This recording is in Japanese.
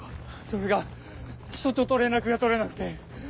それが署長と連絡が取れなくて。